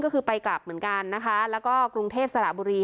ก็คือไปกลับเหมือนกันนะคะแล้วก็กรุงเทพสระบุรี